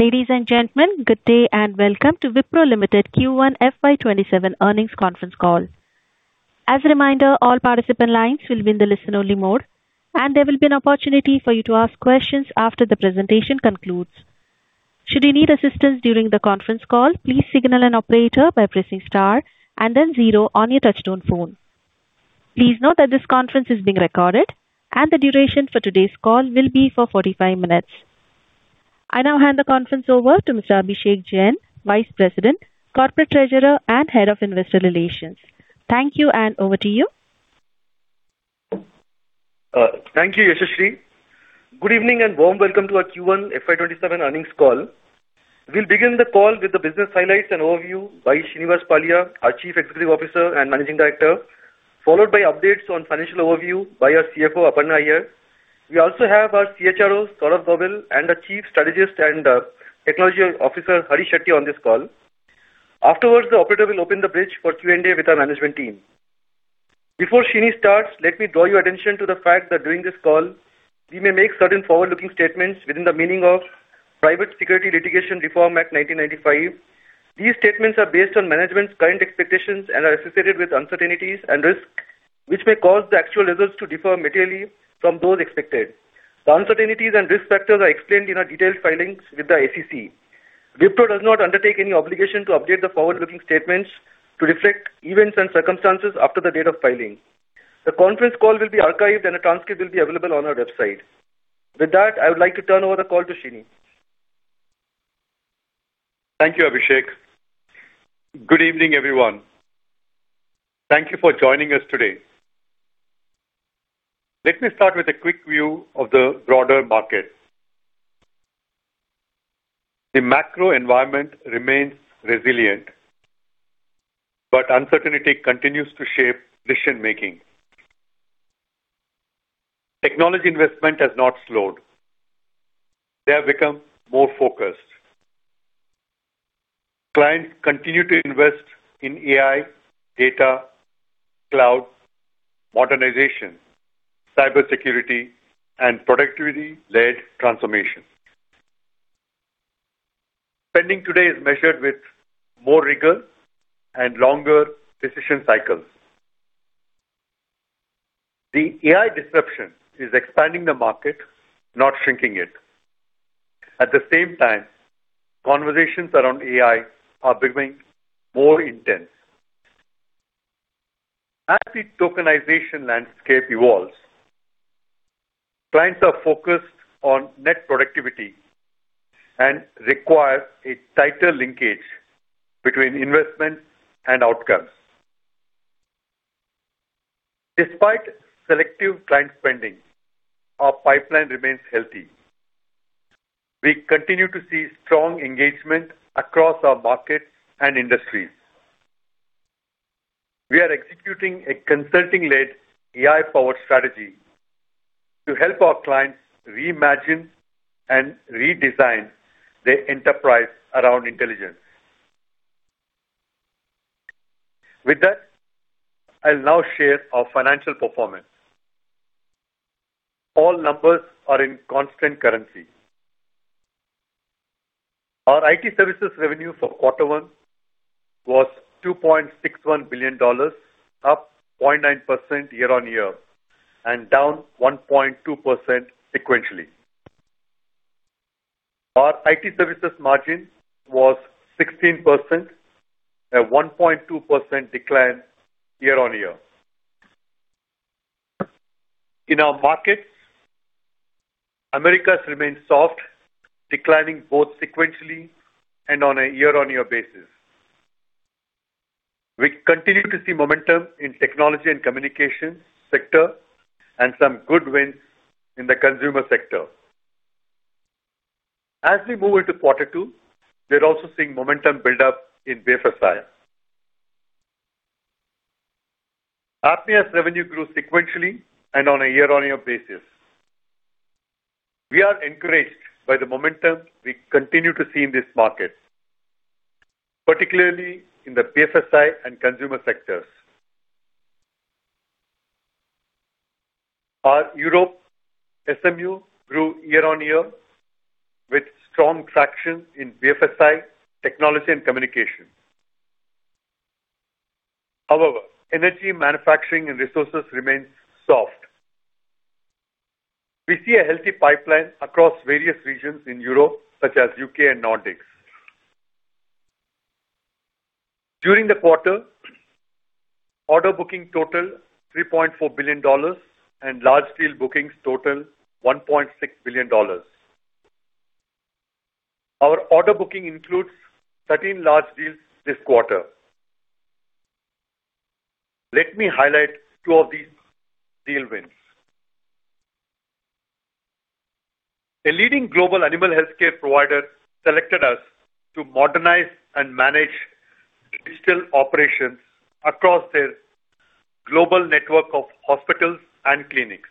Ladies and gentlemen, good day and welcome to Wipro Limited Q1 FY 2027 earnings conference call. As a reminder, all participant lines will be in the listen-only mode, and there will be an opportunity for you to ask questions after the presentation concludes. Should you need assistance during the conference call, please signal an operator by pressing star and then zero on your touch-tone phone. Please note that this conference is being recorded, and the duration for today's call will be for 45 minutes. I now hand the conference over to Mr. Abhishek Jain, Vice President, Corporate Treasurer, and Head of Investor Relations. Thank you, and over to you. Thank you, Yashaswi. Good evening, and warm welcome to our Q1 FY 2027 earnings call. We'll begin the call with the business highlights and overview by Srinivas Pallia, our Chief Executive Officer and Managing Director, followed by updates on financial overview by our CFO, Aparna Iyer. We also have our CHRO, Saurabh Govil, and our Chief Strategist and Technology Officer, Hari Shetty, on this call. Afterwards, the operator will open the bridge for Q&A with our management team. Before Srini starts, let me draw your attention to the fact that during this call, we may make certain forward-looking statements within the meaning of Private Securities Litigation Reform Act of 1995. These statements are based on management's current expectations and are associated with uncertainties and risks, which may cause the actual results to differ materially from those expected. The uncertainties and risk factors are explained in our detailed filings with the SEC. Wipro does not undertake any obligation to update the forward-looking statements to reflect events and circumstances after the date of filing. The conference call will be archived, and a transcript will be available on our website. With that, I would like to turn over the call to Srini. Thank you, Abhishek. Good evening, everyone. Thank you for joining us today. Let me start with a quick view of the broader market. The macro environment remains resilient, but uncertainty continues to shape decision-making. Technology investment has not slowed. They have become more focused. Clients continue to invest in AI, data, cloud, modernization, cybersecurity, and productivity-led transformation. Spending today is measured with more rigor and longer decision cycles. The AI disruption is expanding the market, not shrinking it. At the same time, conversations around AI are becoming more intense. As the tokenization landscape evolves, clients are focused on net productivity and require a tighter linkage between investment and outcomes. Despite selective client spending, our pipeline remains healthy. We continue to see strong engagement across our markets and industries. We are executing a consulting-led AI-powered strategy to help our clients reimagine and redesign their enterprise around intelligence. With that, I'll now share our financial performance. All numbers are in constant currency. Our IT services revenue for quarter one was $2.61 billion, up 0.9% year-on-year, and down 1.2% sequentially. Our IT services margin was 16%, a 1.2% decline year-on-year. In our markets, Americas remains soft, declining both sequentially and on a year-on-year basis. We continue to see momentum in technology and communication sector and some good wins in the consumer sector. As we move into quarter two, we are also seeing momentum build up in BFSI. APMEA revenue grew sequentially and on a year-on-year basis. We are encouraged by the momentum we continue to see in this market, particularly in the BFSI and consumer sectors. Our Europe SMU grew year-on-year with strong traction in BFSI, technology, and communication. However, energy manufacturing and resources remain soft. We see a healthy pipeline across various regions in Europe such as U.K. and Nordics. During the quarter, order booking totaled $3.4 billion, and large deal bookings totaled $1.6 billion. Our order booking includes 13 large deals this quarter. Let me highlight two of these deal wins. A leading global animal healthcare provider selected us to modernize and manage digital operations across their global network of hospitals and clinics.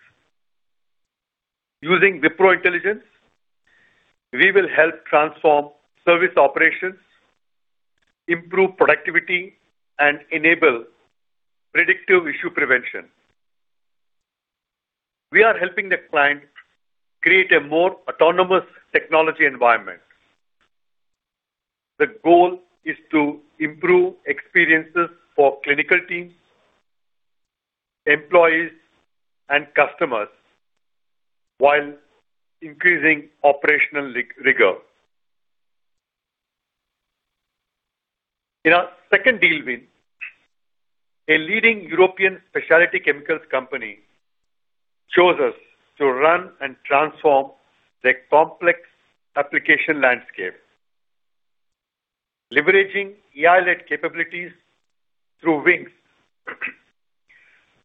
Using Wipro Intelligence, we will help transform service operations, improve productivity, and enable predictive issue prevention. We are helping the client create a more autonomous technology environment. The goal is to improve experiences for clinical teams, employees, and customers while increasing operational rigor. In our second deal win, a leading European specialty chemicals company chose us to run and transform their complex application landscape. Leveraging AI-led capabilities through WINGS,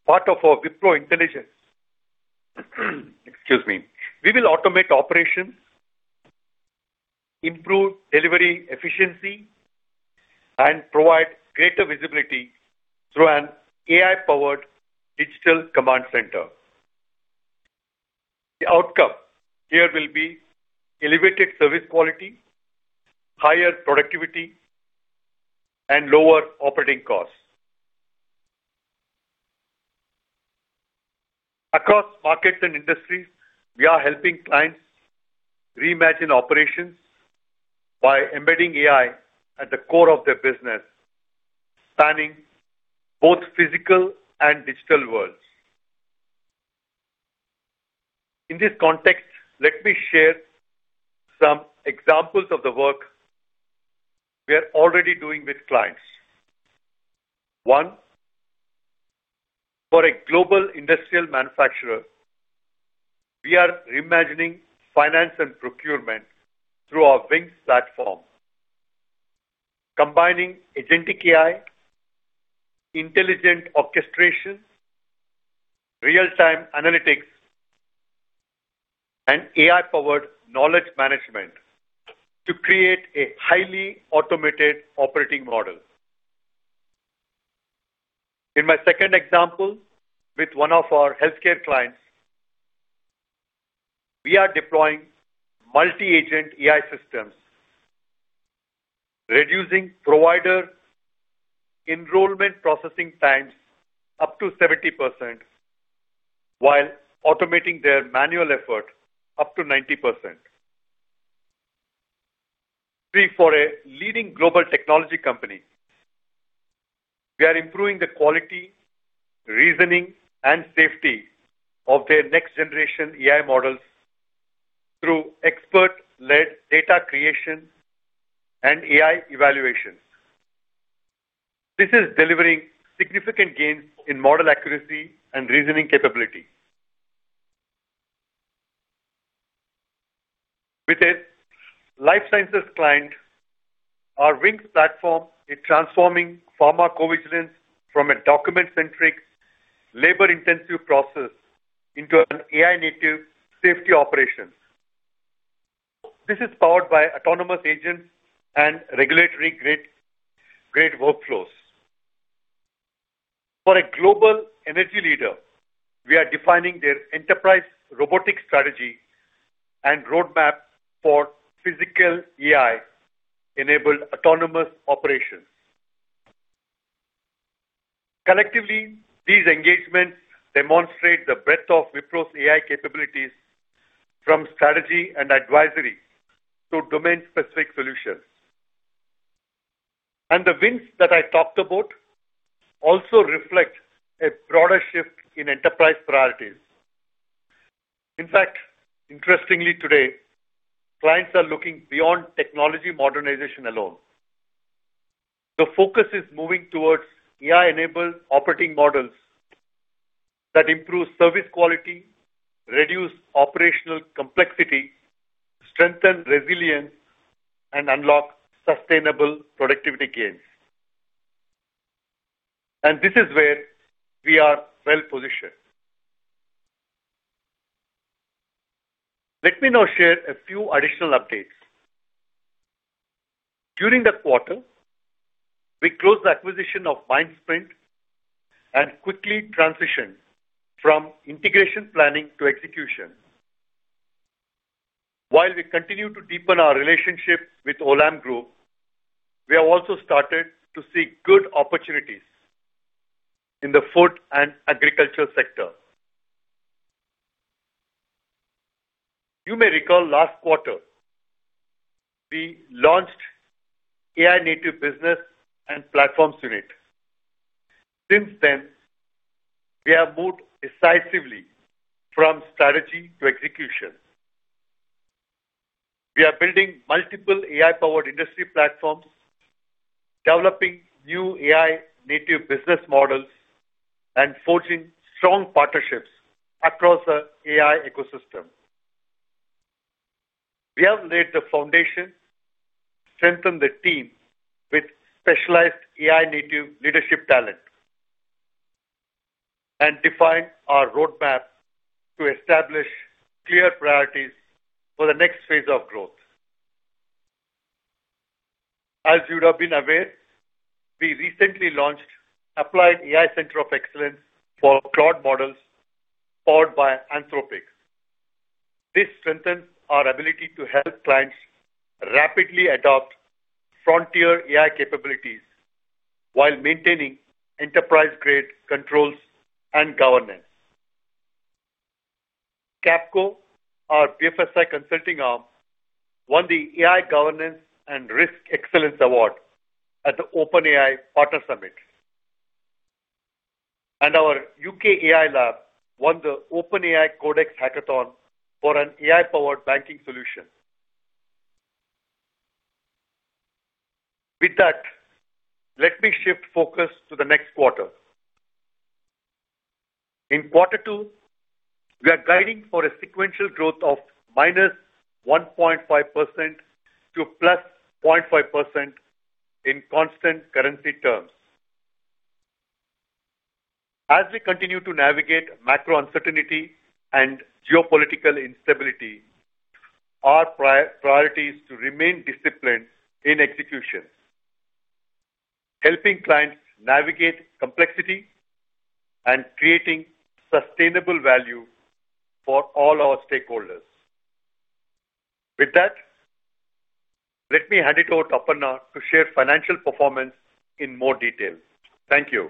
part of our Wipro Intelligence. Excuse me. We will automate operations, improve delivery efficiency, and provide greater visibility through an AI-powered digital command center. The outcome here will be elevated service quality, higher productivity, and lower operating costs. Across markets and industries, we are helping clients reimagine operations by embedding AI at the core of their business, spanning both physical and digital worlds. In this context, let me share some examples of the work we are already doing with clients. One, for a global industrial manufacturer, we are reimagining finance and procurement through our WINGS platform. Combining agentic AI, intelligent orchestration, real-time analytics, and AI-powered knowledge management to create a highly automated operating model. In my second example, with one of our healthcare clients, we are deploying multi-agent AI systems, reducing provider enrollment processing times up to 70%, while automating their manual effort up to 90%. Three, for a leading global technology company, we are improving the quality, reasoning, and safety of their next-generation AI models through expert-led data creation and AI evaluation. This is delivering significant gains in model accuracy and reasoning capability. With a life sciences client, our WINGS platform is transforming pharmacovigilance from a document-centric, labor-intensive process into an AI-native safety operation. This is powered by autonomous agents and regulatory-grade workflows. For a global energy leader, we are defining their enterprise robotic strategy and roadmap for physical AI-enabled autonomous operations. Collectively, these engagements demonstrate the breadth of Wipro's AI capabilities, from strategy and advisory to domain-specific solutions. The wins that I talked about also reflect a broader shift in enterprise priorities. In fact, interestingly, today, clients are looking beyond technology modernization alone. The focus is moving towards AI-enabled operating models that improve service quality, reduce operational complexity, strengthen resilience, and unlock sustainable productivity gains. This is where we are well-positioned. Let me now share a few additional updates. During the quarter, we closed the acquisition of Mindsprint and quickly transitioned from integration planning to execution. While we continue to deepen our relationship with Olam Group, we have also started to see good opportunities in the food and agriculture sector. You may recall last quarter, we launched AI-Native Business & Platforms Unit. Since then, we have moved decisively from strategy to execution. We are building multiple AI-powered industry platforms, developing new AI-native business models, and forging strong partnerships across the AI ecosystem. We have laid the foundation, strengthened the team with specialized AI-native leadership talent, and defined our roadmap to establish clear priorities for the next phase of growth. As you would have been aware, we recently launched Applied AI Center of Excellence for Claude models powered by Anthropic. This strengthens our ability to help clients rapidly adopt frontier AI capabilities while maintaining enterprise-grade controls and governance. Capco, our BFSI consulting arm, won the AI Governance and Risk Excellence Award at the OpenAI Partner Summit. Our U.K. AI lab won the OpenAI Codex Hackathon for an AI-powered banking solution. With that, let me shift focus to the next quarter. In quarter two, we are guiding for a sequential growth of -1.5% to +0.5% in constant currency terms. As we continue to navigate macro uncertainty and geopolitical instability, our priority is to remain disciplined in execution, helping clients navigate complexity and creating sustainable value for all our stakeholders. With that, let me hand it over to Aparna to share financial performance in more detail. Thank you.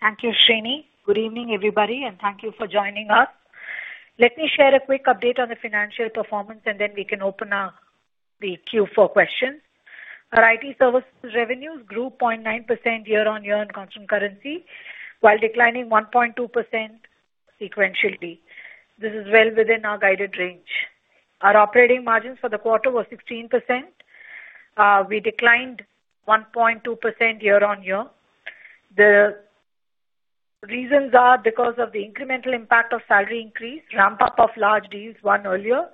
Thank you, Srini. Good evening, everybody, and thank you for joining us. Let me share a quick update on the financial performance, and then we can open up the queue for questions. Our IT services revenues grew 0.9% year-on-year in constant currency while declining 1.2% sequentially. This is well within our guided range. Our operating margins for the quarter were 16%. We declined 1.2% year-on-year. The reasons are because of the incremental impact of salary increase, ramp-up of large deals won earlier,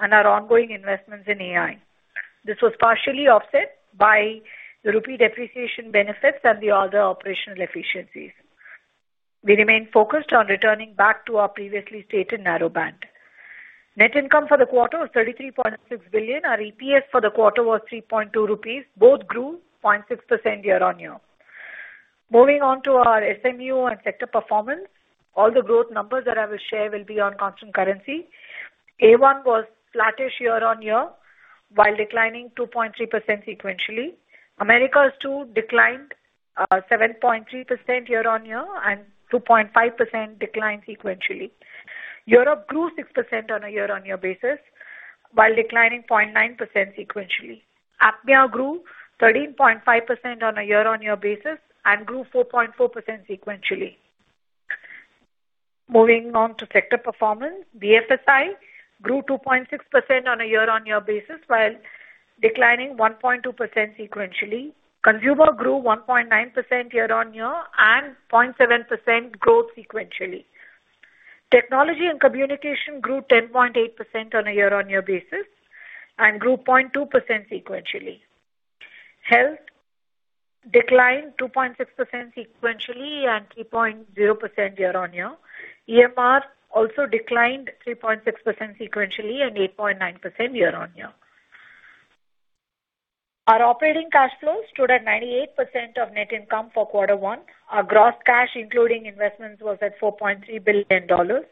and our ongoing investments in AI. This was partially offset by the rupee depreciation benefits and the other operational efficiencies. We remain focused on returning back to our previously stated narrow band. Net income for the quarter was 33.6 billion. Our EPS for the quarter was 3.2 rupees. Both grew 0.6% year-on-year. Moving on to our SMU and sector performance. All the growth numbers that I will share will be on constant currency. A1 was flattish year-on-year, while declining 2.3% sequentially. Americas 2 declined 7.3% year-on-year and 2.5% decline sequentially. Europe grew 6% on a year-on-year basis while declining 0.9% sequentially. APMEA grew 13.5% on a year-on-year basis and grew 4.4% sequentially. Moving on to sector performance. BFSI grew 2.6% on a year-on-year basis while declining 1.2% sequentially. Consumer grew 1.9% year-on-year and 0.7% growth sequentially. Technology and communication grew 10.8% on a year-on-year basis and grew 0.2% sequentially. Health declined 2.6% sequentially and 3.0% year-on-year. EMR also declined 3.6% sequentially and 8.9% year-on-year. Our operating cash flow stood at 98% of net income for quarter one. Our gross cash, including investments, was at INR 4.3 billion.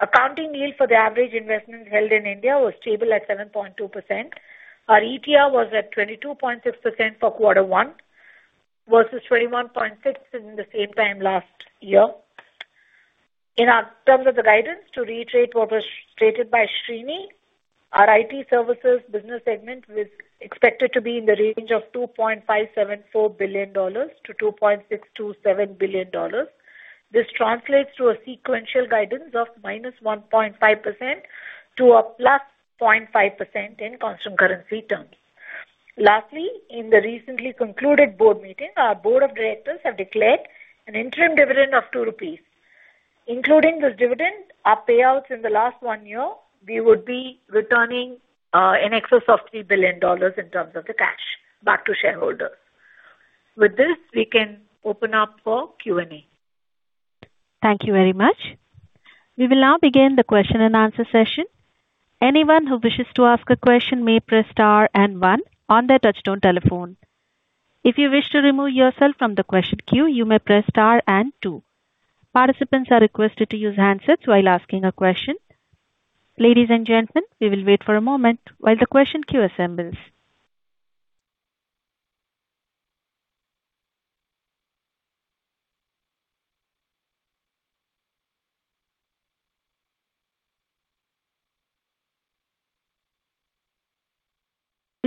Accounting yield for the average investment held in India was stable at 7.2%. Our ETR was at 22.6% for quarter one versus 21.6% in the same time last year. In our terms of the guidance to reiterate what was stated by Srini, our IT services business segment is expected to be in the range of $2.574 billion-$2.627 billion. This translates to a sequential guidance of -1.5% to a +0.5% in constant currency terms. Lastly, in the recently concluded board meeting, our board of directors have declared an interim dividend of 2 rupees. Including this dividend, our payouts in the last one year, we would be returning in excess of $3 billion in terms of the cash back to shareholders. With this, we can open up for Q&A. Thank you very much. We will now begin the question and answer session. Anyone who wishes to ask a question may press star and one on their touchtone telephone. If you wish to remove yourself from the question queue, you may press star and two. Participants are requested to use handsets while asking a question. Ladies and gentlemen, we will wait for a moment while the question queue assembles.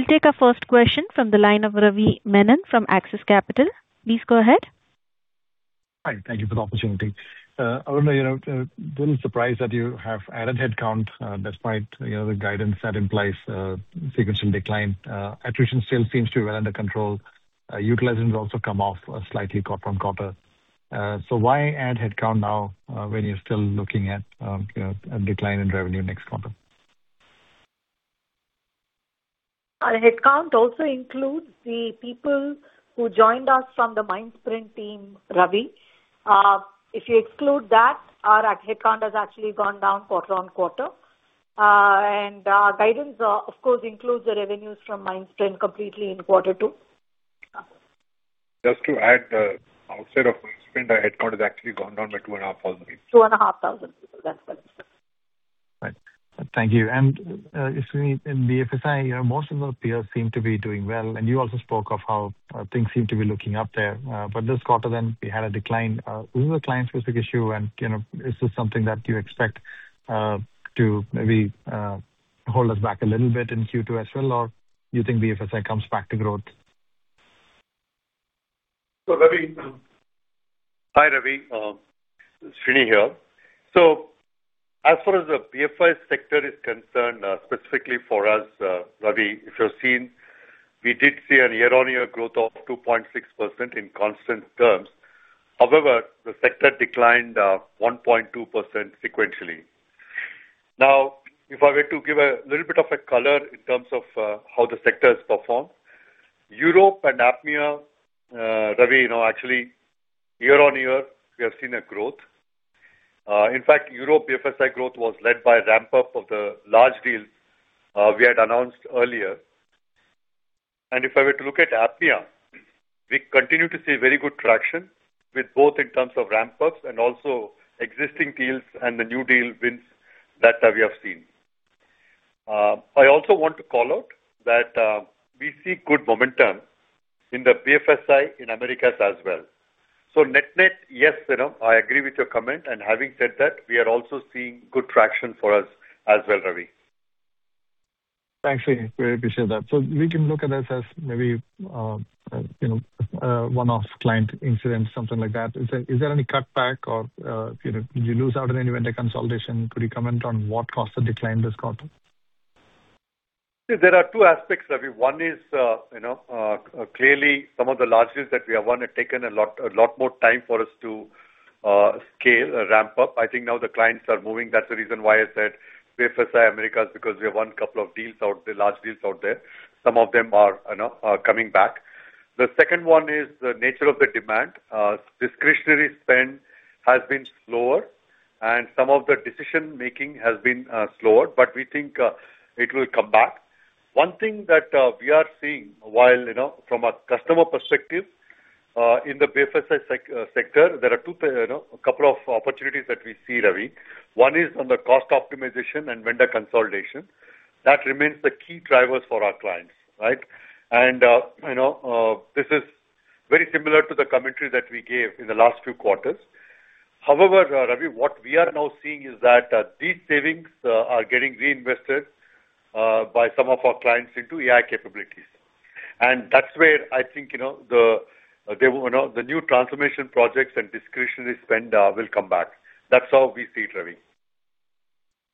We'll take our first question from the line of Ravi Menon from Axis Capital. Please go ahead. Hi. Thank you for the opportunity. Aparna, a little surprised that you have added headcount despite the guidance that implies a sequential decline. Attrition still seems to be well under control. Utilization has also come off slightly quarter-on-quarter. Why add headcount now when you're still looking at a decline in revenue next quarter? Our headcount also includes the people who joined us from the Mindsprint team, Ravi. If you exclude that, our headcount has actually gone down quarter-on-quarter. Our guidance, of course, includes the revenues from Mindsprint completely in quarter two. Just to add, outside of spend, the headcount has actually gone down by 2,500 people. 2,500 people. That's what. Right. Thank you. Srini, in BFSI, most of those peers seem to be doing well, and you also spoke of how things seem to be looking up there. For this quarter, we had a decline. Was it a client-specific issue, and is this something that you expect to maybe hold us back a little bit in Q2 as well? Do you think BFSI comes back to growth? Ravi. Hi, Ravi. It's Srini here. As far as the BFSI sector is concerned, specifically for us, Ravi, if you've seen, we did see a year-on-year growth of 2.6% in constant terms. However, the sector declined 1.2% sequentially. If I were to give a little bit of a color in terms of how the sector has performed, Europe and APMEA, Ravi, actually year-on-year, we have seen a growth. In fact, Europe BFSI growth was led by ramp-up of the large deal we had announced earlier. If I were to look at APMEA, we continue to see very good traction with both in terms of ramp-ups and also existing deals and the new deal wins that we have seen. I also want to call out that we see good momentum in the BFSI in Americas as well. Net-net, yes, Ravi, I agree with your comment. Having said that, we are also seeing good traction for us as well, Ravi. Thanks, Srini. Really appreciate that. We can look at this as maybe a one-off client incident, something like that. Is there any cutback or did you lose out on any vendor consolidation? Could you comment on what caused the decline this quarter? There are two aspects, Ravi. One is clearly some of the largest that we have won have taken a lot more time for us to scale, ramp up. I think now the clients are moving. That's the reason why I said BFSI Americas, because we have won a couple of deals out there, large deals out there. Some of them are coming back. The second one is the nature of the demand. Discretionary spend has been slower, and some of the decision-making has been slower, but we think it will come back. One thing that we are seeing while from a customer perspective, in the BFSI sector, there are a couple of opportunities that we see, Ravi. One is on the cost optimization and vendor consolidation. That remains the key drivers for our clients, right? This is very similar to the commentary that we gave in the last few quarters. However, Ravi, what we are now seeing is that these savings are getting reinvested by some of our clients into AI capabilities. That's where I think the new transformation projects and discretionary spend will come back. That's how we see it, Ravi.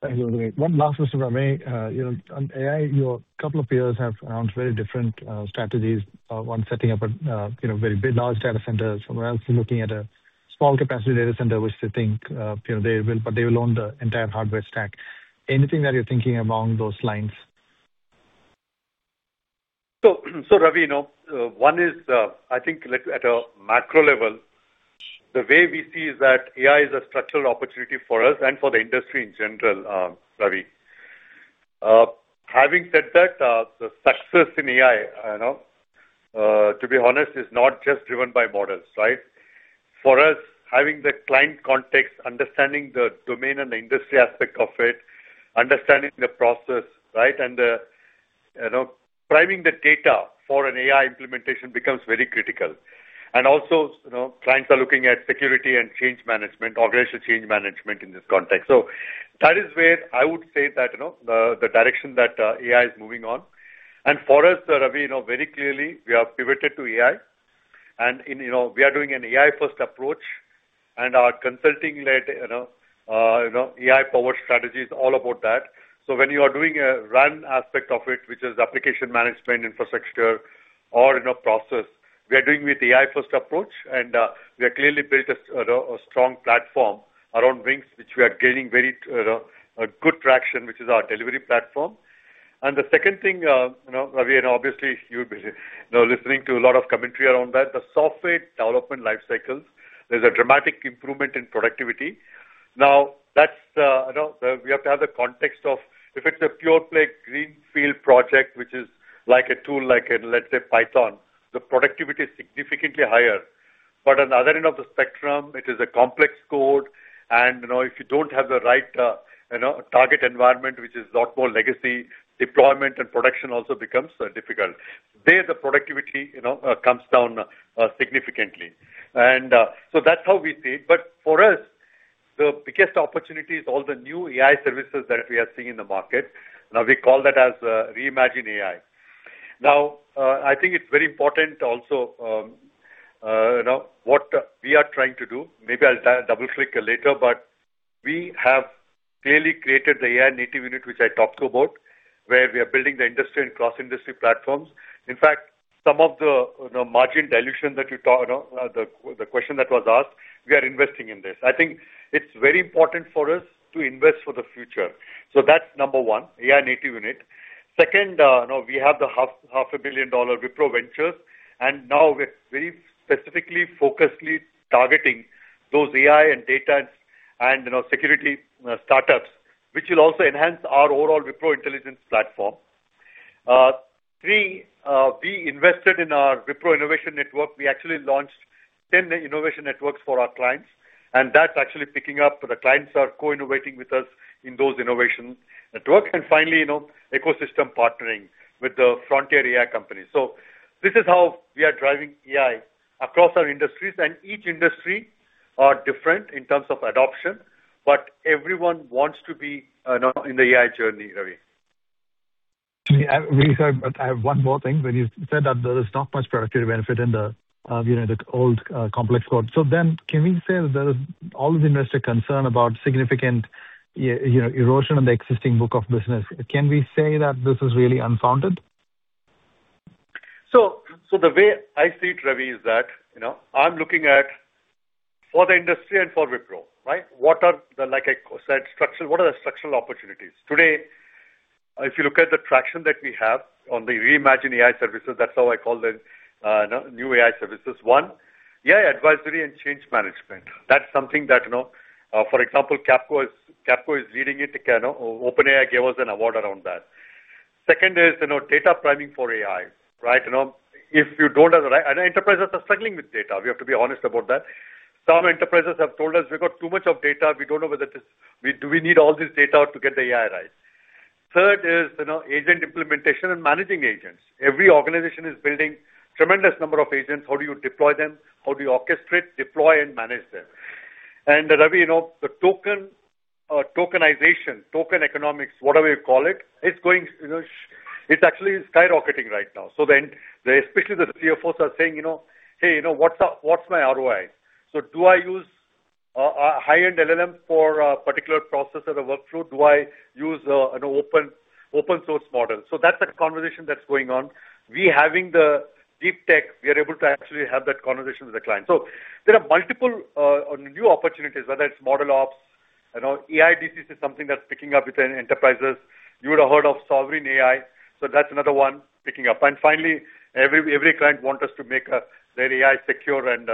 Thank you, Ravi. One last question for me. On AI, your couple of peers have announced very different strategies. One setting up a very big, large data center. Somewhere else is looking at a small-capacity data center, which they think they will own the entire hardware stack. Anything that you're thinking along those lines? Ravi, one is I think at a macro level, the way we see is that AI is a structural opportunity for us and for the industry in general, Ravi. Having said that, the success in AI to be honest, is not just driven by models, right? For us, having the client context, understanding the domain and the industry aspect of it, understanding the process, right? Priming the data for an AI implementation becomes very critical. Also clients are looking at security and change management, organizational change management in this context. That is where I would say that the direction that AI is moving on. For us, Ravi, very clearly, we have pivoted to AI. We are doing an AI-first approach and our consulting-led AI-powered strategy is all about that. When you are doing a run aspect of it, which is application management, infrastructure or process, we are doing with AI-first approach, and we have clearly built a strong platform around WINGS, which we are gaining very good traction, which is our delivery platform. The second thing, Ravi, obviously you've been listening to a lot of commentary around that. The Software Development Life Cycles, there's a dramatic improvement in productivity. We have to have the context of if it's a pure-play greenfield project, which is like a tool like in, let's say, Python, the productivity is significantly higher. On the other end of the spectrum, it is a complex code. If you don't have the right target environment, which is a lot more legacy, deployment and production also becomes difficult. There, the productivity comes down significantly. That's how we see it. For us, the biggest opportunity is all the new AI services that we are seeing in the market. We call that as Reimagine AI. I think it's very important also what we are trying to do. Maybe I'll double-click later, we have clearly created the AI-Native Unit which I talked about, where we are building the industry and cross-industry platforms. In fact, some of the margin dilution that the question that was asked, we are investing in this. I think it's very important for us to invest for the future. That's number one, AI-Native Unit. Second, we have the half a billion-dollar Wipro Ventures, and now we're very specifically, focusedly targeting those AI and data and security startups Which will also enhance our overall Wipro Intelligence platform. Three, we invested in our Wipro Innovation Network. We actually launched 10 innovation networks for our clients, and that's actually picking up. The clients are co-innovating with us in those innovation networks. Finally, ecosystem partnering with the frontier AI companies. This is how we are driving AI across our industries and each industry are different in terms of adoption, but everyone wants to be in the AI journey, Ravi. I have one more thing. When you said that there is not much productivity benefit in the old complex code. Can we say that all of the investor concern about significant erosion in the existing book of business, can we say that this is really unfounded? The way I see it, Ravi, is that, I'm looking at for the industry and for Wipro, right? Like I said, what are the structural opportunities? Today, if you look at the traction that we have on the reimagine AI services, that's how I call the new AI services. One, AI advisory and change management. That's something that, for example, Capco is leading it. OpenAI gave us an award around that. Second is, data priming for AI, right? Enterprises are struggling with data, we have to be honest about that. Some enterprises have told us we've got too much data. We don't know whether we need all this data to get the AI right. Third is agent implementation and managing agents. Every organization is building tremendous number of agents. How do you deploy them? How do you orchestrate, deploy, and manage them? Ravi, the tokenization, token economics, whatever you call it's actually skyrocketing right now. Especially the CFOs are saying, "Hey, what's my ROI? Do I use a high-end LLM for a particular process or a workflow? Do I use an open source model?" That's the conversation that's going on. We having the deep tech, we are able to actually have that conversation with the client. There are multiple new opportunities, whether it's MLOps, AIDC is something that's picking up within enterprises. You would have heard of Sovereign AI, that's another one picking up. Finally, every client want us to make their AI secure and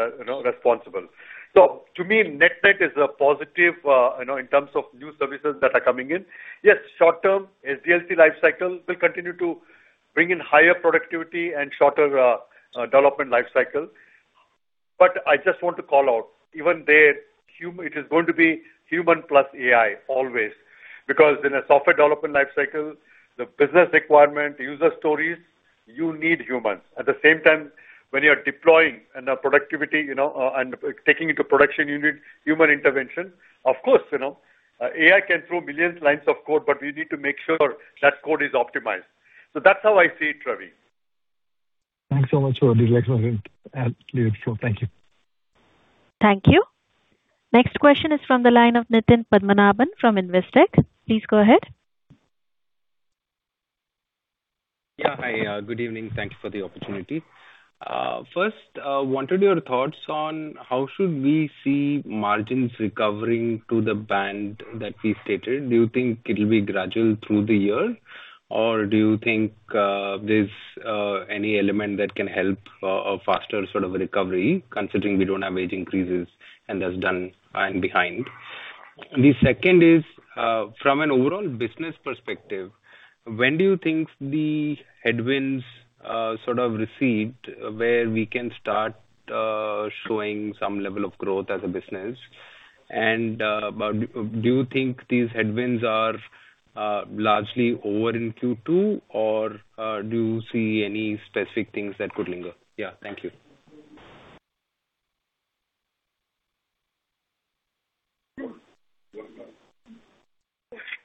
responsible. To me, net-net is a positive in terms of new services that are coming in. Yes, short term SDLC life cycle will continue to bring in higher productivity and shorter development life cycle. I just want to call out, it is going to be human plus AI always because in a software development life cycle, the business requirement, user stories, you need humans. At the same time, when you're deploying and productivity and taking into production, you need human intervention. Of course, AI can throw millions lines of code, but we need to make sure that code is optimized. That's how I see it, Ravi. Thank you. Thank you. Next question is from the line of Nitin Padmanabhan from Investec. Please go ahead. Hi, good evening. Thank you for the opportunity. First, wanted your thoughts on how should we see margins recovering to the band that we stated. Do you think it will be gradual through the year or do you think there's any element that can help a faster sort of recovery considering we don't have wage increases and that's done and behind. The second is, from an overall business perspective, when do you think the headwinds sort of recede where we can start showing some level of growth as a business? Do you think these headwinds are largely over in Q2 or do you see any specific things that could linger? Thank you.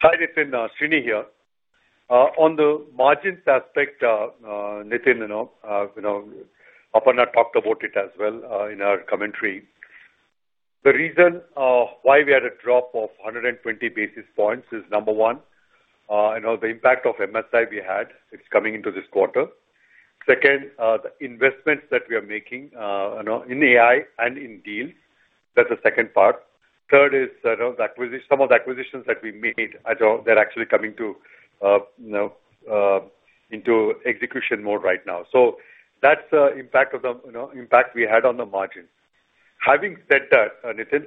Hi, Nitin. Srini here. On the margins aspect, Nitin, Aparna talked about it as well in our commentary. The reason why we had a drop of 120 basis points is number one, the impact of MSI we had, it's coming into this quarter. Second, the investments that we are making in AI and in deals. That's the second part. Third is some of the acquisitions that we made, they're actually coming into execution mode right now. That's the impact we had on the margin. Having said that, Nitin,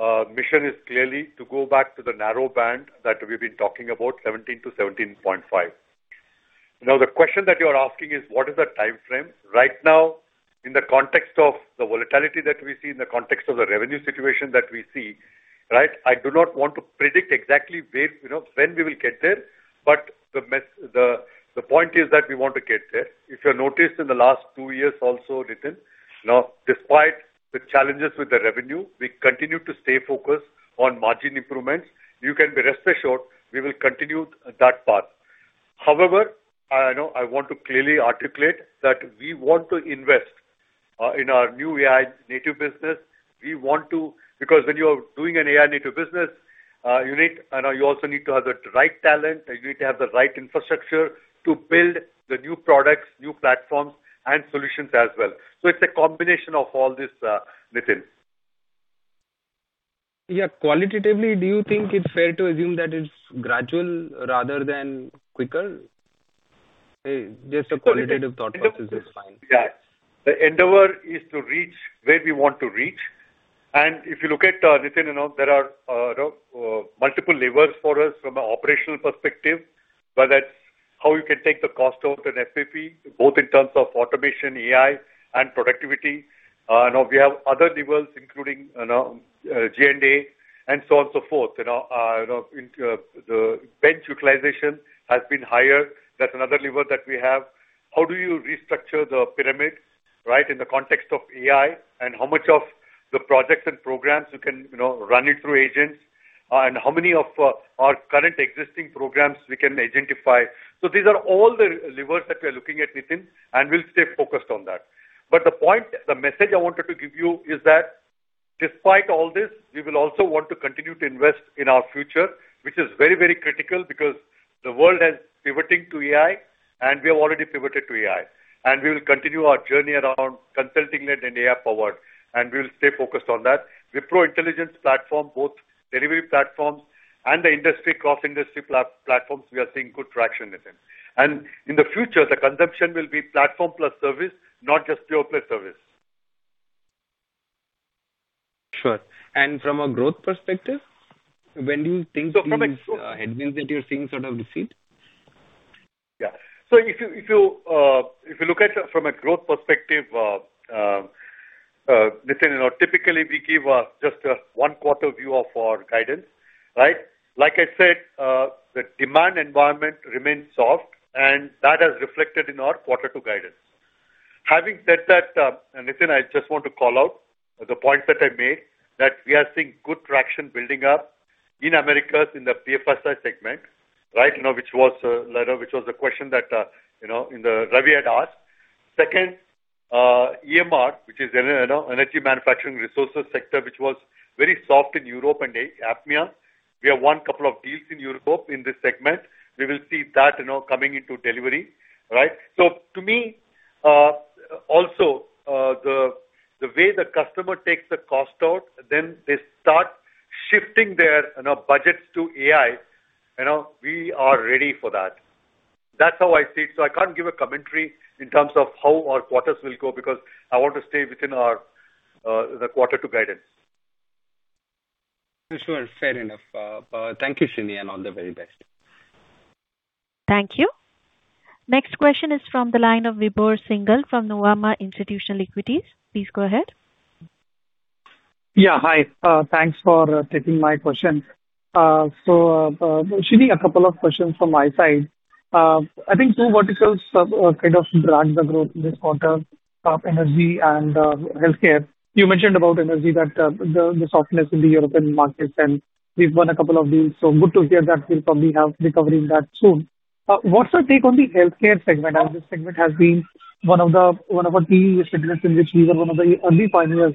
our mission is clearly to go back to the narrow band that we've been talking about, 17%-17.5%. The question that you are asking is what is the time frame? In the context of the volatility that we see, in the context of the revenue situation that we see, I do not want to predict exactly when we will get there, but the point is that we want to get there. If you have noticed in the last two years also, Nitin, despite the challenges with the revenue, we continue to stay focused on margin improvements. You can rest assured we will continue that path. I want to clearly articulate that we want to invest in our new AI-Native business. When you are doing an AI-Native business, you also need to have the right talent, and you need to have the right infrastructure to build the new products, new platforms and solutions as well. It's a combination of all this, Nitin. Qualitatively, do you think it's fair to assume that it's gradual rather than quicker? Just a quantitative thought process is fine. The endeavor is to reach where we want to reach. If you look at, Nitin, there are multiple levers for us from an operational perspective, whether it's how you can take the cost out in FP&A, both in terms of automation, AI, and productivity. We have other levers including G&A and so on, so forth. The bench utilization has been higher. That's another lever that we have. How do you restructure the pyramid, right? In the context of AI, and how much of the projects and programs you can run it through agents, and how many of our current existing programs we can identify. These are all the levers that we are looking at, Nitin, and we'll stay focused on that. The message I wanted to give you is that despite all this, we will also want to continue to invest in our future, which is very, very critical because the world is pivoting to AI and we have already pivoted to AI. We will continue our journey around consulting led and AI forward, and we'll stay focused on that. Wipro Intelligence platform, both delivery platforms and the cross-industry platforms, we are seeing good traction, Nitin. In the future, the consumption will be platform plus service, not just pure play service. Sure. From a growth perspective, when do you think the headwinds that you're seeing sort of recede? Yeah. If you look at it from a growth perspective, Nitin, typically we give just a one-quarter view of our guidance, right? Like I said, the demand environment remains soft, and that has reflected in our quarter two guidance. Having said that, Nitin, I just want to call out the point that I made that we are seeing good traction building up in Americas in the BFSI segment, right? Which was the question that Ravi had asked. Second, EMR, which is Energy Manufacturing Resources sector, which was very soft in Europe and APMEA. We have won couple of deals in Europe in this segment. We will see that coming into delivery, right? To me, also the way the customer takes the cost out, then they start shifting their budgets to AI. We are ready for that. That's how I see it. I can't give a commentary in terms of how our quarters will go because I want to stay within the quarter two guidance. Sure. Fair enough. Thank you, Srini, and all the very best. Thank you. Next question is from the line of Vibhor Singhal from Nuvama Institutional Equities. Please go ahead. Yeah. Hi. Thanks for taking my question. Srini, a couple of questions from my side. I think two verticals kind of dragged the growth this quarter, energy and healthcare. You mentioned about energy that the softness in the European markets, and we've won a couple of deals, so good to hear that we'll probably have recovery in that soon. What's your take on the healthcare segment, as this segment has been one of our key segments in which we were one of the early pioneers,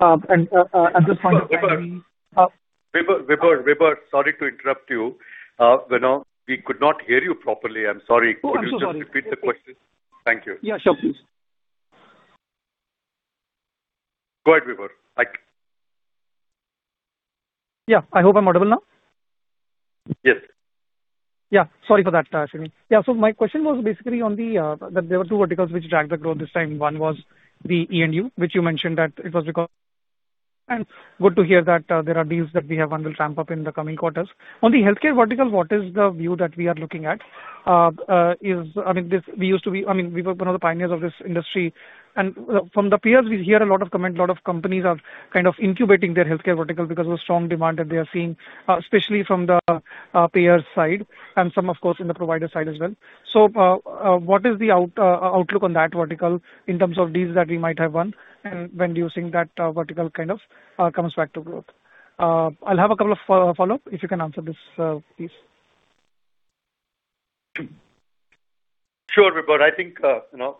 and at this point in time. Vibhor, sorry to interrupt you. We could not hear you properly. I'm sorry. Oh, I'm so sorry. Could you just repeat the question? Thank you. Yeah, sure. Please. Go ahead, Vibhor. Yeah. I hope I'm audible now. Yes. Yeah. Sorry for that, Srini. My question was basically on the two verticals which dragged the growth this time. One was the E&U, which you mentioned that it was because and good to hear that there are deals that we have and will ramp up in the coming quarters. On the healthcare vertical, what is the view that we are looking at? We were one of the pioneers of this industry. From the peers, we hear a lot of companies are kind of incubating their healthcare vertical because of the strong demand that they are seeing, especially from the payers side and some of course in the provider side as well. What is the outlook on that vertical in terms of deals that we might have won and when do you think that vertical kind of comes back to growth? I'll have a couple of follow-up if you can answer this, please. Sure, Vibhor. I think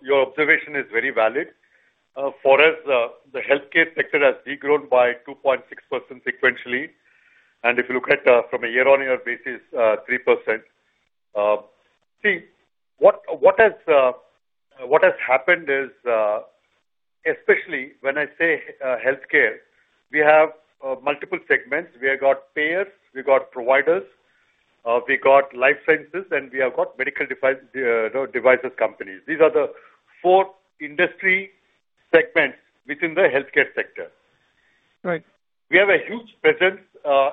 your observation is very valid. For us, the healthcare sector has de-grown by 2.6% sequentially. If you look at from a year-on-year basis, 3%. What has happened is, especially when I say healthcare, we have multiple segments. We have got payers, we got providers, we got life sciences, and we have got medical devices companies. These are the four industry segments within the healthcare sector. Right. We have a huge presence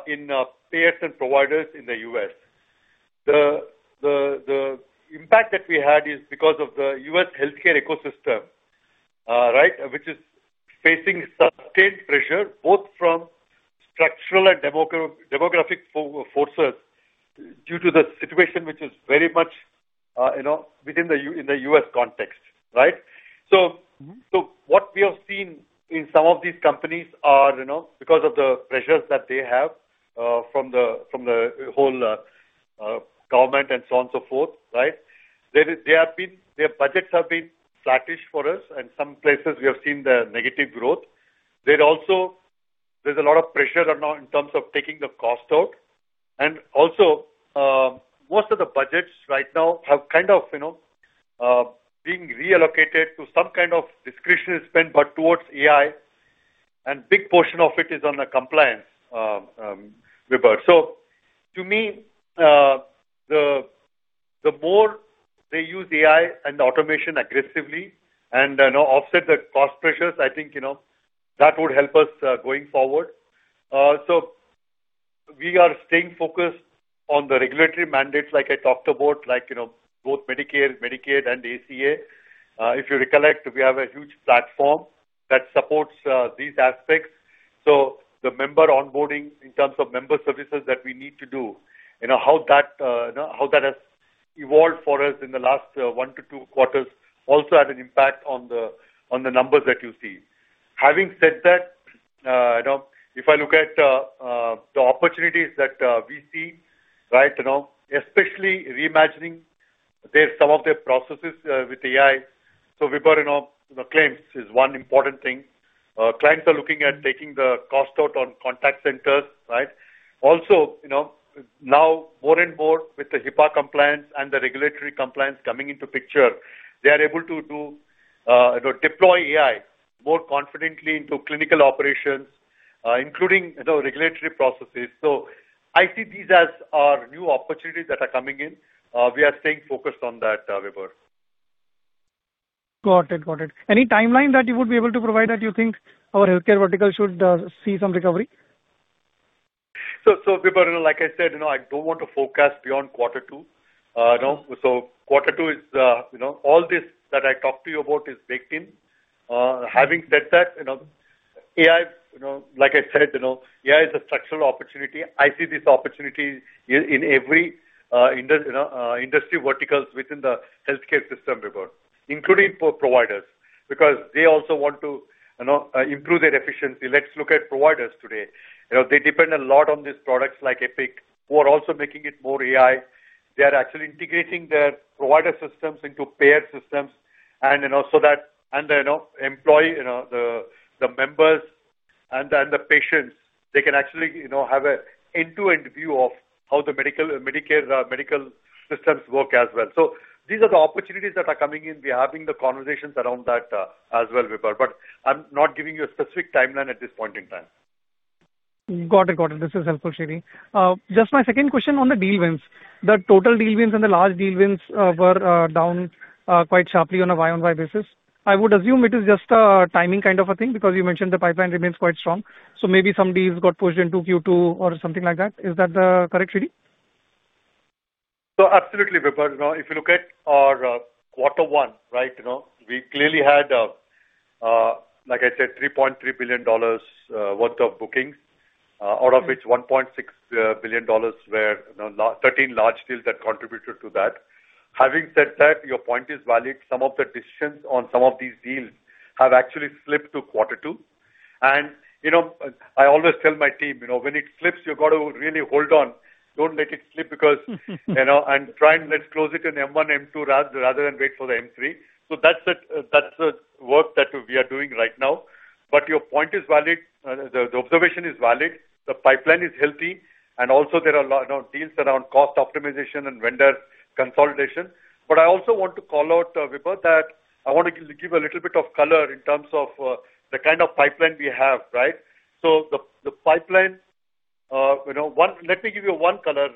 in payers and providers in the U.S. The impact that we had is because of the U.S. healthcare ecosystem, right? Which is facing sustained pressure, both from structural and demographic forces due to the situation which is very much within the U.S. context, right? What we have seen in some of these companies are because of the pressures that they have from the whole government and so on, so forth, right? Their budgets have been flattish for us, and some places we have seen the negative growth. There is a lot of pressure in terms of taking the cost out. Most of the budgets right now have kind of being reallocated to some kind of discretionary spend, but towards AI. A big portion of it is on the compliance, Vibhor. To me, the more they use AI and automation aggressively and offset the cost pressures, I think that would help us going forward. We are staying focused on the regulatory mandates like I talked about, both Medicare, Medicaid and ACA. If you recollect, we have a huge platform that supports these aspects. The member onboarding in terms of member services that we need to do, how that has evolved for us in the last one to two quarters also had an impact on the numbers that you see. Having said that, if I look at the opportunities that we see, especially reimagining some of their processes with AI. Vibhor, claims is one important thing. Clients are looking at taking the cost out on contact centers. Also, now more and more with the HIPAA compliance and the regulatory compliance coming into picture, they are able to deploy AI more confidently into clinical operations, including regulatory processes. I see these as our new opportunities that are coming in. We are staying focused on that, Vibhor. Got it. Any timeline that you would be able to provide that you think our healthcare vertical should see some recovery? Vibhor, like I said, I don't want to forecast beyond quarter two. quarter two is, all this that I talked to you about is baked in. Having said that, AI, like I said, AI is a structural opportunity. I see this opportunity in every industry verticals within the healthcare system, Vibhor, including for providers, because they also want to improve their efficiency. Let's look at providers today. They depend a lot on these products like Epic, who are also making it more AI. They are actually integrating their provider systems into payer systems and the members and the patients, they can actually have an end-to-end view of how the Medicare medical systems work as well. These are the opportunities that are coming in. We are having the conversations around that as well, Vibhor, but I'm not giving you a specific timeline at this point in time. Got it. This is helpful, Srini. Just my second question on the deal wins. The total deal wins and the large deal wins were down quite sharply on a year-over-year basis. I would assume it is just a timing kind of a thing because you mentioned the pipeline remains quite strong, so maybe some deals got pushed into Q2 or something like that. Is that correct, Srini? Absolutely, Vibhor. If you look at our quarter one, we clearly had, like I said, $3.4 billion worth of bookings, out of which $1.6 billion were 13 large deals that contributed to that. Having said that, your point is valid. Some of the decisions on some of these deals have actually slipped to quarter two. I always tell my team, when it slips, you've got to really hold on. Don't let it slip and try and let's close it in M1, M2 rather than wait for the M3. That's the work that we are doing right now. Your point is valid. The observation is valid. The pipeline is healthy, and also there are deals around cost optimization and vendor consolidation. I also want to call out, Vibhor, that I want to give a little bit of color in terms of the kind of pipeline we have. The pipeline, let me give you one color,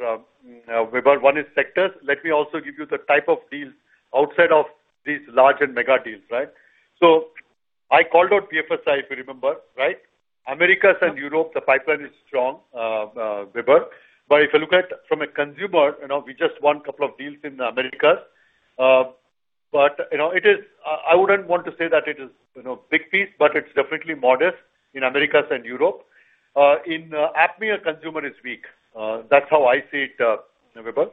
Vibhor. One is sectors. Let me also give you the type of deals outside of these large and mega deals. I called out BFSI, if you remember. Americas and Europe, the pipeline is strong, Vibhor. If you look at from a consumer, we just won couple of deals in Americas. I wouldn't want to say that it is big piece, but it's definitely modest in Americas and Europe. In APMEA, consumer is weak. That's how I see it, Vibhor.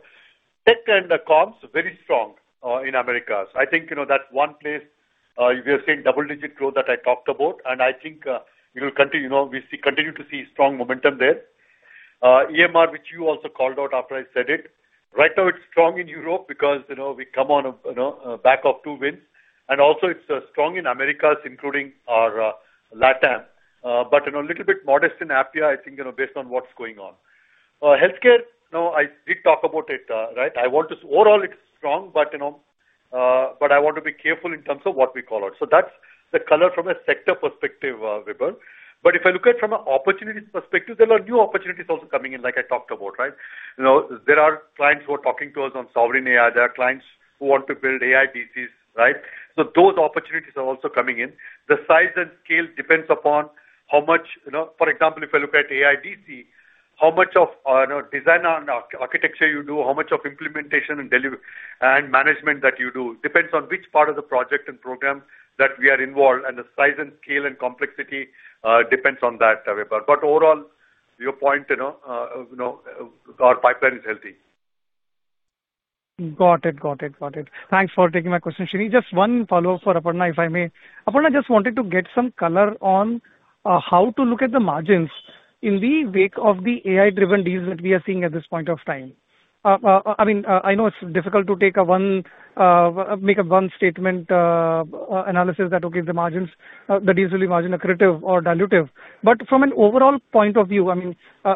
Tech and comms, very strong in Americas. I think that's one place we are seeing double-digit growth that I talked about, and I think we continue to see strong momentum there. EMR, which you also called out after I said it. Right now it's strong in Europe because we come on back of two wins, and also it's strong in Americas, including our LATAM. A little bit modest in APMEA, I think, based on what's going on. Healthcare, now I did talk about it. Overall it's strong. I want to be careful in terms of what we call out. That's the color from a sector perspective, Vibhor. If I look at from a opportunities perspective, there are new opportunities also coming in like I talked about. There are clients who are talking to us on Sovereign AI. There are clients who want to build AI DCs. Those opportunities are also coming in. The size and scale depends upon how much, for example, if you look at AI DC, how much of design and architecture you do, how much of implementation and management that you do depends on which part of the project and program that we are involved, and the size and scale and complexity depends on that, Vibhor. Overall, your point, our pipeline is healthy. Got it. Thanks for taking my question, Srini. Just one follow-up for Aparna, if I may. Aparna, I just wanted to get some color on how to look at the margins in the wake of the AI-driven deals that we are seeing at this point of time. I know it's difficult to make a one statement analysis that will give the margins, the deals will be margin accretive or dilutive. From an overall point of view,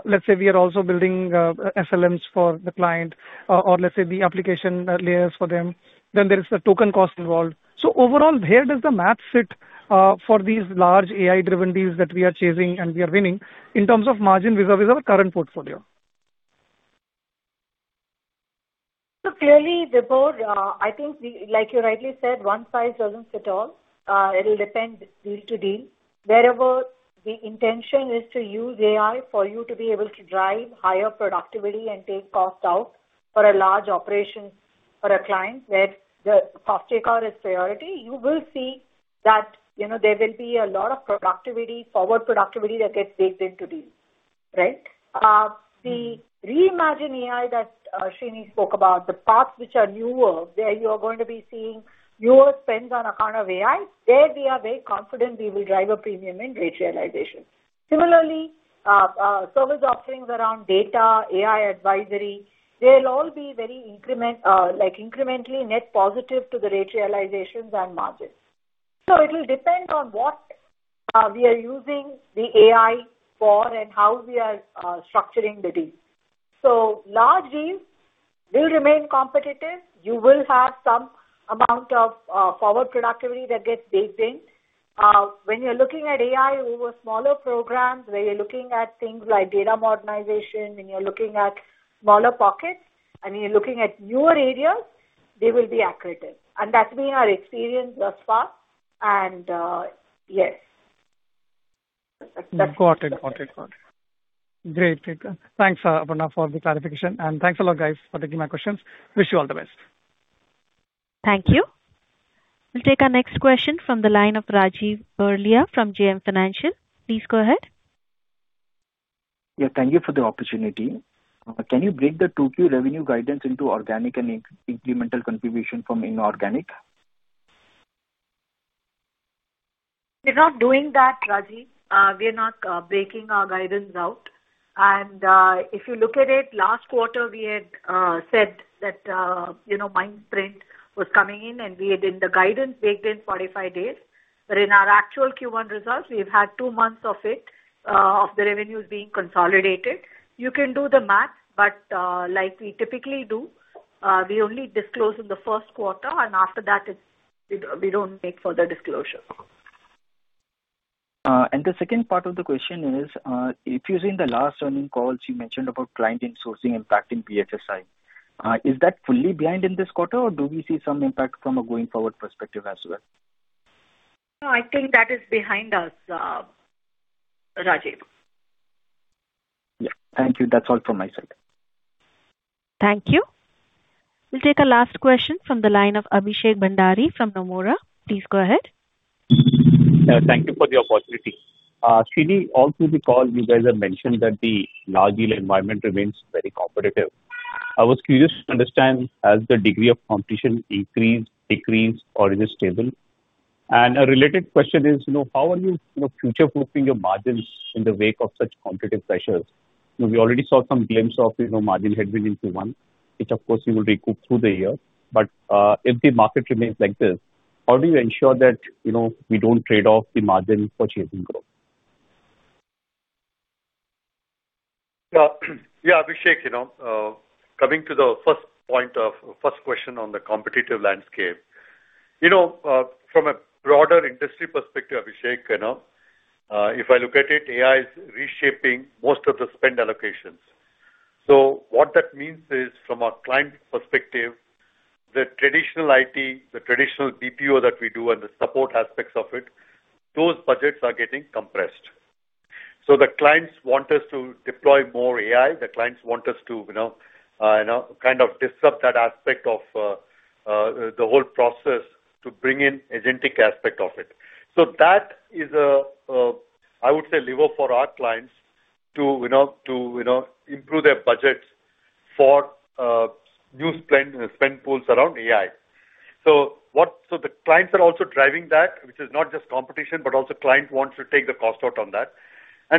let's say we are also building SLMs for the client, or let's say the application layers for them, then there is the token cost involved. Overall, where does the math fit for these large AI-driven deals that we are chasing and we are winning in terms of margin vis-à-vis our current portfolio? Clearly, Vibhor, I think like you rightly said, one size doesn't fit all. It will depend deal to deal. Wherever the intention is to use AI for you to be able to drive higher productivity and take cost out for a large operation for a client where the cost takeout is priority, you will see that there will be a lot of forward productivity that gets baked into deals. Right? The reimagine AI that Srini spoke about, the parts which are newer, there you are going to be seeing newer spends on account of AI. There we are very confident we will drive a premium in rate realization. Similarly, service offerings around data, AI advisory, they'll all be very incrementally net positive to the rate realizations and margins. It will depend on what we are using the AI for and how we are structuring the deal. Large deals will remain competitive. You will have some amount of forward productivity that gets baked in. When you're looking at AI over smaller programs, where you're looking at things like data modernization, and you're looking at smaller pockets, and you're looking at newer areas, they will be accretive. That's been our experience thus far. Yes. Got it. Great. Thanks, Aparna, for the clarification, thanks a lot, guys, for taking my questions. Wish you all the best. Thank you. We'll take our next question from the line of Rajiv Berlia from JM Financial. Please go ahead. Thank you for the opportunity. Can you break the 2Q revenue guidance into organic and incremental contribution from inorganic? We're not doing that, Rajiv. We're not breaking our guidance out. If you look at it, last quarter, we had said that Mindsprint was coming in, and we had in the guidance baked in 45 days. In our actual Q1 results, we've had two months of the revenues being consolidated. You can do the math, but like we typically do, we only disclose in the first quarter, and after that, we don't make further disclosure. The second part of the question is, if you see in the last earning calls, you mentioned about client insourcing impact in BFSI. Is that fully behind in this quarter, or do we see some impact from a going-forward perspective as well? No, I think that is behind us, Rajiv. Yeah. Thank you. That's all from my side. Thank you. We'll take a last question from the line of Abhishek Bhandari from Nomura. Please go ahead. Thank you for the opportunity. Srini, all through the call, you guys have mentioned that the large deal environment remains very competitive. I was curious to understand, has the degree of competition increased, decreased, or is it stable? A related question is, how are you future-proofing your margins in the wake of such competitive pressures? We already saw some glimpse of margin headwind in Q1, which of course you will recoup through the year. If the market remains like this, how do you ensure that we don't trade off the margin for chasing growth? Abhishek, coming to the first question on the competitive landscape. From a broader industry perspective, Abhishek, if I look at it, AI is reshaping most of the spend allocations. What that means is, from a client perspective, the traditional IT, the traditional BPO that we do and the support aspects of it, those budgets are getting compressed. The clients want us to deploy more AI. The clients want us to kind of disrupt that aspect of the whole process to bring in agentic aspect of it. That is a, I would say, lever for our clients to improve their budgets for new spend pools around AI. The clients are also driving that, which is not just competition, but also clients want to take the cost out on that.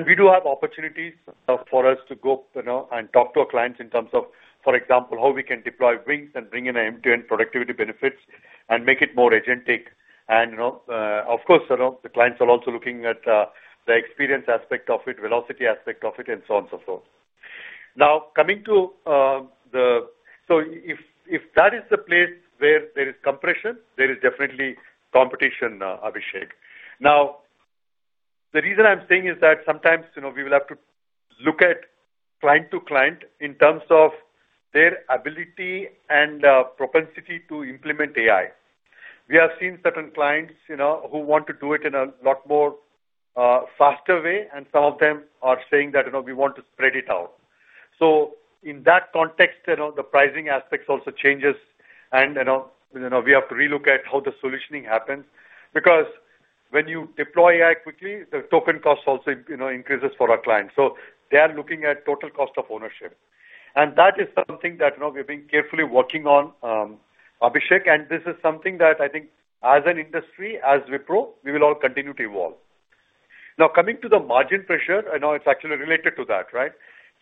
We do have opportunities for us to go and talk to our clients in terms of, for example, how we can deploy WINGS and bring in end-to-end productivity benefits and make it more agentic. Of course, the clients are also looking at the experience aspect of it, velocity aspect of it, and so on and so forth. If that is the place where there is compression, there is definitely competition, Abhishek. The reason I'm saying is that sometimes we will have to look at client to client in terms of their ability and propensity to implement AI. We have seen certain clients who want to do it in a lot more faster way, and some of them are saying that we want to spread it out. In that context, the pricing aspects also changes. We have to relook at how the solutioning happens because when you deploy AI quickly, the token cost also increases for our clients. They are looking at total cost of ownership. That is something that we've been carefully working on, Abhishek, and this is something that I think as an industry, as Wipro, we will all continue to evolve. Coming to the margin pressure. It's actually related to that, right?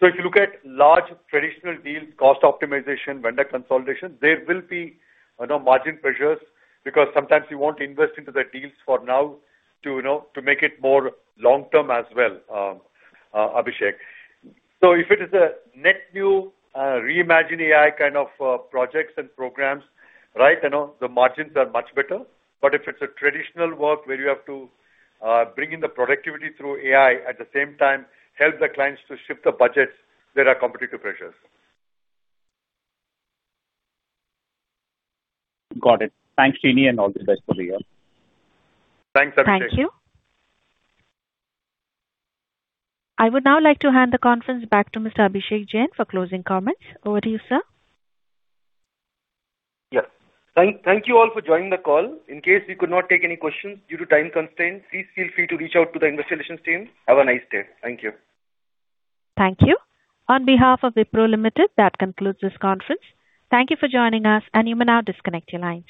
If you look at large traditional deals, cost optimization, vendor consolidation, there will be margin pressures because sometimes we want to invest into the deals for now to make it more long-term as well, Abhishek. If it is a net new reimagine AI kind of projects and programs, the margins are much better. If it's a traditional work where you have to bring in the productivity through AI, at the same time help the clients to shift the budgets, there are competitive pressures. Got it. Thanks, Srini, and all the best for the year. Thanks, Abhishek. Thank you. I would now like to hand the conference back to Mr. Abhishek Jain for closing comments. Over to you, sir. Yeah. Thank you all for joining the call. In case we could not take any questions due to time constraints, please feel free to reach out to the investor relations team. Have a nice day. Thank you. Thank you. On behalf of Wipro Limited, that concludes this conference. Thank you for joining us, and you may now disconnect your lines.